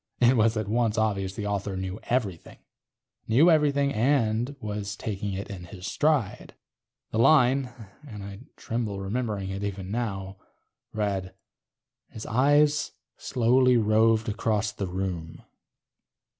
It was at once obvious the author knew everything. Knew everything and was taking it in his stride. The line (and I tremble remembering it even now) read: _... his eyes slowly roved about the room.